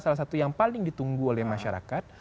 salah satu yang paling ditunggu oleh masyarakat